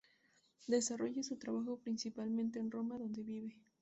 Desarrolla su trabajo principalmente en Roma, donde vive.